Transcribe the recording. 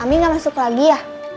ami gak masuk lagi ya